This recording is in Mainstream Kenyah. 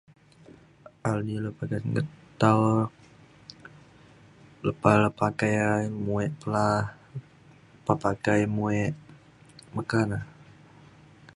[unintelligible] lepa nget tau lepa le pakai ia' muek pe la. pah pakai muek meka na